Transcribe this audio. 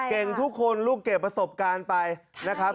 เก่งทุกคนลูกเก็บประสบการณ์ไปนะครับ